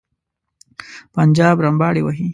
پنجاب رمباړې وهي.